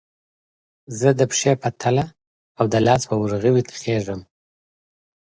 زه د پښې په تله او د لاس په ورغوي تخږم